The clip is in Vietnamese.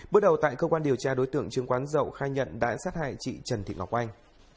bước đầu tại cơ quan điều tra đối tượng trướng quán rậu khai nhận đã sát hại chị trần thị ngọc oanh